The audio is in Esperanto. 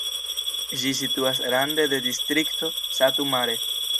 Ĝi situas rande de distrikto Satu Mare.